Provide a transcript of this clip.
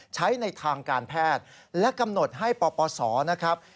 ใช้ในทางการแพทย์และกำหนดให้ปปศนะครับ